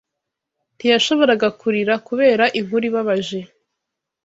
Ntiyashoboraga kurira kubera inkuru ibabaje